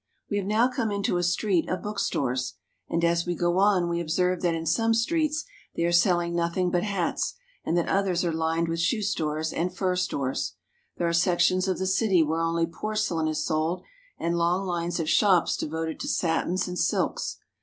We have now come into a street of bookstores ; and, as we go on, we observe that in some streets they are selling nothing but hats, and that others are lined with shoe stores and fur stores. There are sections of the city where only porcelain is sold, and long lines of shops devoted to satins and silks.